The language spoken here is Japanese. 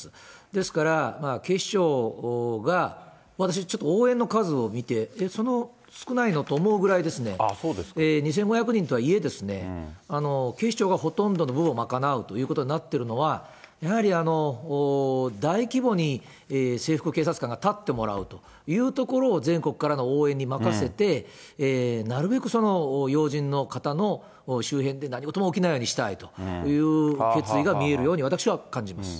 ですから警視庁が、私ちょっと、応援の数を見て、少ないのと思うくらいですね、２５００人とはいえ、警視庁がほとんどの部分を賄うということになってるのは、やはり大規模に制服警察官が立ってもらうというところを全国からの応援に任せて、なるべく要人の方の周辺で何事も起きないようにしたいという決意が見えるように、私は感じます。